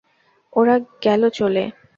ওরা গেল চলে।